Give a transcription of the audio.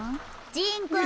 ジーンくん！